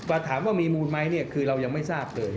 ไม่ทราบถามว่ามีมูลไหมคือเรายังไม่ทราบเลย